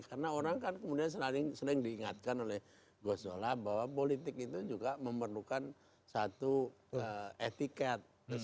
karena orang kan seling diingatkan oleh ghosnola bahwa politik itu juga memerlukan satu etiket